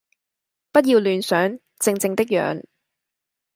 不要亂想，靜靜的養！